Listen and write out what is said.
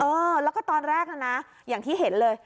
เออแล้วก็ตอนแรกนะนะอย่างที่เห็นเลย